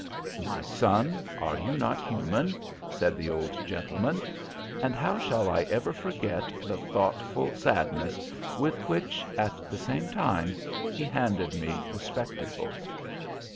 "'My son, are you not human?' said the old gentleman; and how shall I ever forget the thoughtful sadness with which, at the same time he handed me the spectacles.